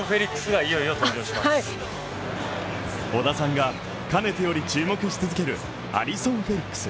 織田さんがかねてより注目し続けるアリソン・フェリックス。